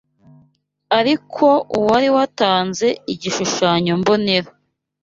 Ariko uwari watanze igishushanyombonera